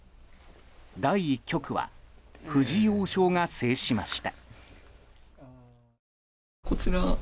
第１局は藤井王将が制しました。